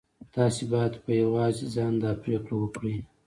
تاسې بايد په يوازې ځان دا پرېکړه وکړئ.